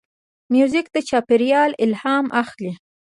موزیک له چاپېریال الهام اخلي.